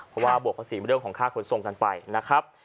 เพราะว่าบวกภาษีเรื่องของค่าขนส่งกันไปนะครับ